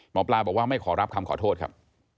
หมอปลาบอกว่าไม่ขอรับคำขอโทษครับ